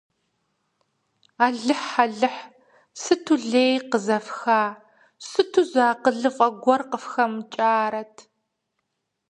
Алыхь-Алыхь, сыту лей къызэфха, сыту зы акъылыфӀэ гуэри къыфхэмыкӀарэт.